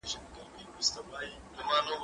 زه موبایل نه کاروم!.